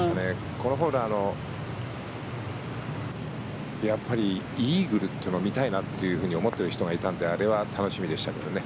このホール、イーグルというのを見たいなっていうふうに思っている人がいたのであれは楽しみでしたけどね。